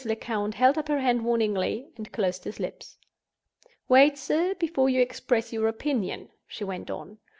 Lecount held up her hand warningly and closed his lips. "Wait, sir, before you express your opinion," she went on.